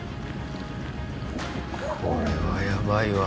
これはやばいわ。